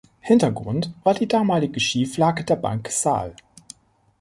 Hintergrund war die damalige Schieflage der Bank Sal.